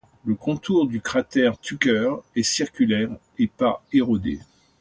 Le contour du cratère Tucker est circulaire et pas érodé.